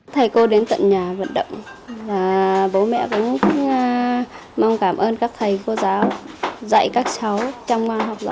thầy cô đến tận nhà vận động và bố mẹ cũng mong cảm ơn các thầy cô giáo dạy các cháu